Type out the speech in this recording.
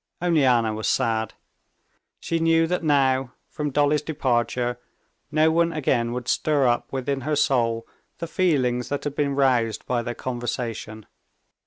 Only Anna was sad. She knew that now, from Dolly's departure, no one again would stir up within her soul the feelings that had been roused by their conversation.